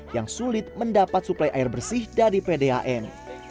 menit mendapat suplai air bersih dari pdam